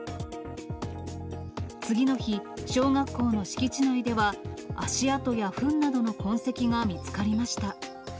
次の日、小学校の敷地内では、足跡やふんなどの痕跡が見つかりました。